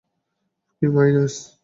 কি, মাইনাস?